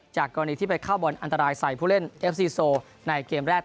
กรณีที่ไปเข้าบอลอันตรายใส่ผู้เล่นเอฟซีโซในเกมแรก